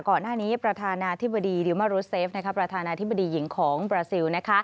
ก่อนหน้านี้ประธานาธิบดีดิวมารุเซฟประธานาธิบดีหญิงของบราซิล